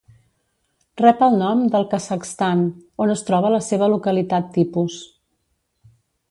Rep el nom del Kazakhstan, on es troba la seva localitat tipus.